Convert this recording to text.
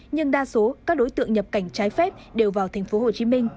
nhưng đa số các đối tượng nhập cảnh trái phép đều vào tp hcm